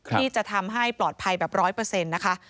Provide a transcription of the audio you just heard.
ที่จะทำให้ปลอดภัยแบบร้อยเปอร์เซ็นต์นะคะ